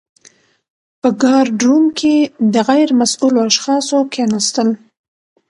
په ګارډ روم کي د غیر مسؤلو اشخاصو کښيناستل .